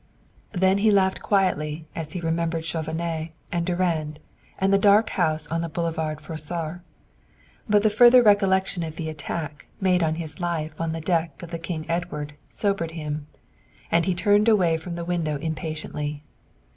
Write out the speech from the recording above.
Then he laughed quietly as he remembered Chauvenet and Durand and the dark house on the Boulevard Froissart; but the further recollection of the attack made on his life on the deck of the King Edward sobered him, and he turned away from the window impatiently.